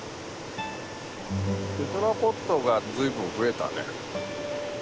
テトラポッドが随分増えたね。